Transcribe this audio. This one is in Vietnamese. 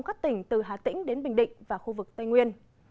các tỉnh từ hà tĩnh đến bình định và khu vực tây nguyên